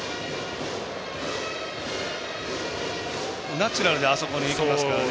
ナチュラルにあそこにいきますからね。